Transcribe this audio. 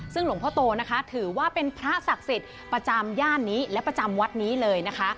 ซึ่งหลวงพ่อโตนะคะถือว่าเป็นพระศักดิ์สิทธิ์ประจำย่านนี้และประจำวัดนี้เลยนะคะ